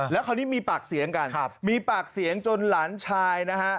แล้วคราวนี้มีปากเสียงกันมีปากเสียงจนหลานชายนะฮะ